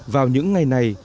vào những ngày này